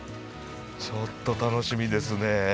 ちょっと楽しみですね。